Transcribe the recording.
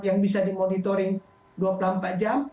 yang bisa dimonitoring dua puluh empat jam